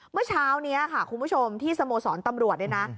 เมื่อเช้านี้ค่ะคุณผู้ชมที่สโมสรตำรวจเนี่ยนะ